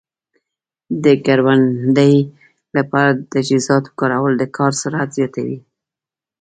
د کروندې لپاره د تجهیزاتو کارول د کار سرعت زیاتوي.